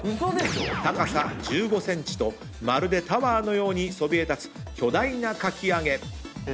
まるでタワーのようにそびえ立つ巨大なかき揚げ。